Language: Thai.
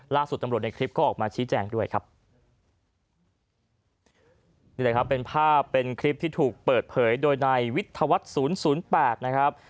ล่าสุดตำรวจในคลิปก็ออกมาชี้แจงด้วยครับนี่แหละครับเป็นภาพเป็นคลิปที่ถูกเปิดเผยโดยในวิทยาวัฒน์ศูนย์ศูนย์แปดนะครับ